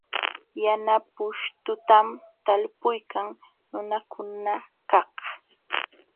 Yana pushtutam talpuykan nunakunakaq.